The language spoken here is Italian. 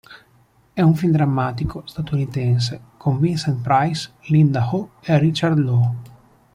È un film drammatico statunitense con Vincent Price, Linda Ho e Richard Loo.